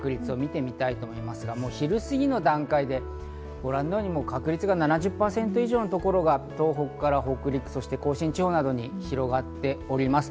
昼過ぎの段階でご覧のように、確率が７０％以上の所が東北から北陸、そして甲信地方などに広がっております。